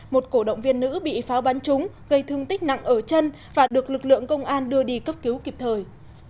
một cổ động viên nữ bị pháo bắn trúng gây thương tích nặng ở chân và được lực lượng công an đưa đi cấp cứu kịp thời